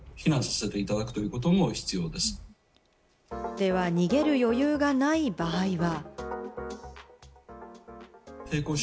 では、逃げる余裕がない場合は。